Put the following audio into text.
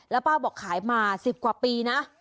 แล้วป้าบอกขายมา๑๐กว่าปีนะ